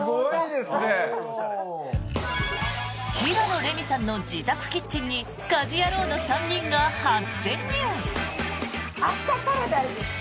平野レミさんの自宅キッチンに「家事ヤロウ！！！」の３人が初潜入。